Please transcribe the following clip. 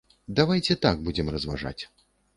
Давайце так будзем разважаць.